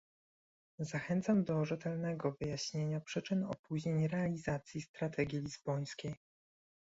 Zachęcam do rzetelnego wyjaśnienia przyczyn opóźnień realizacji strategii lizbońskiej